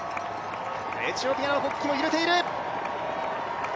エチオピアの国旗も揺れている。